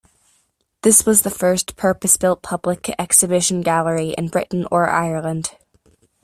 This was the first purpose-built public exhibition gallery in Britain or Ireland.